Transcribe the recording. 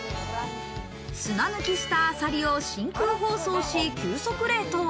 砂抜きしたアサリを真空包装し、急速冷凍。